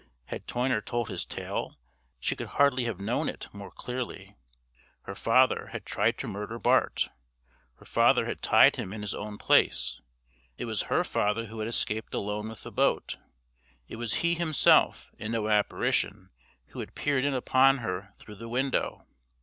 Had Toyner told his tale, she could hardly have known it more clearly. Her father, had tried to murder Bart; her father had tied him in his own place; it was her father who had escaped alone with the boat. It was he himself, and no apparition, who had peered in upon her through the window.